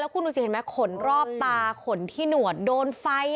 คุณดูสิเห็นไหมขนรอบตาขนที่หนวดโดนไฟ